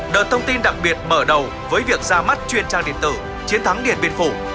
đợt thông tin đặc biệt mở đầu với việc ra mắt truyền trang điện tử chiến thắng điện biên phủ